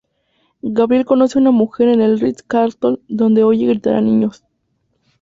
Gabriel conoce una mujer en el Ritz Carlton, donde oye gritar a niños.